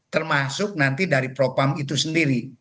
termasuk nanti dari propam itu sendiri